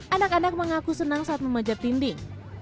anak anak mengaku senang saat memanjat dinding